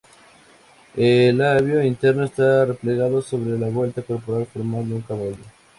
El labio interno está replegado sobre la vuelta corporal formando un callo.